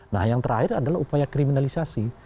nah yang terakhir adalah upaya kriminalisasi